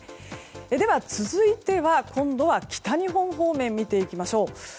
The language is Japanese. では続いては今度は北日本方面、見ていきましょう。